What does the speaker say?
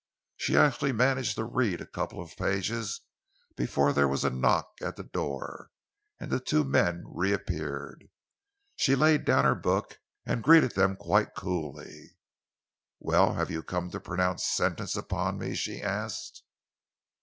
She actually managed to read a couple of pages before there was a knock at the door and the two men reappeared. She laid down her book and greeted them quite coolly. "Well, have you come to pronounce sentence upon me?" she asked.